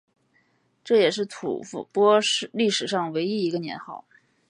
这也是吐蕃历史上唯一一个年号。